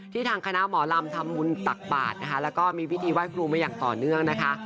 ทางคณะหมอลำทำบุญตักบาทนะคะแล้วก็มีพิธีไหว้ครูมาอย่างต่อเนื่องนะคะ